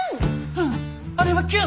うんあれはキュン！